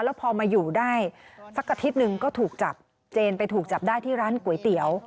แล้วพอมาอยู่ได้สักอาทิตย์หนึ่งก็ถูกจับเจนไปถูกจับได้ที่ร้านก๋วยเตี๋ยว